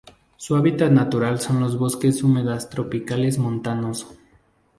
Su hábitat natural son los bosques húmedas tropicales montanos.